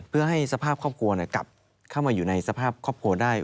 เพื่อให้สภาพครอบครัวกลับเข้ามาอยู่ในสภาพครอบครัวได้